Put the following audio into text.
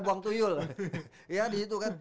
buang tuyul ya di situ kan